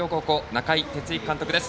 中井哲之監督です。